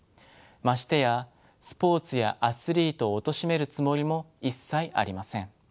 ましてやスポーツやアスリートをおとしめるつもりも一切ありません。